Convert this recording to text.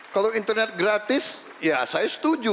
kalau internet gratis ya saya setuju